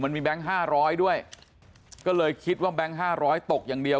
มันมีแบงค์ห้าร้อยด้วยก็เลยคิดว่าแบงค์ห้าร้อยตกอย่างเดียว